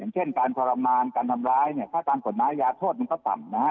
เช่นการทรมานการทำร้ายเนี่ยถ้าตามกฎหมายยาโทษมันก็ต่ำนะฮะ